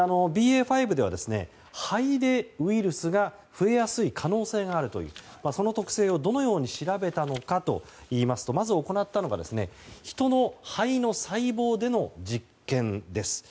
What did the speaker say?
ＢＡ．５では肺でウイルスが増えやすい可能性があるというその特性をどのように調べたのかといいますとまず行ったのがヒトの肺の細胞での実験です。